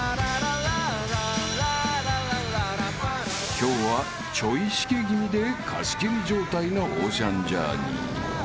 ［今日はちょいシケ気味で貸し切り状態のオーシャンジャーニー］